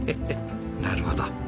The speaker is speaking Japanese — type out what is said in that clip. なるほど。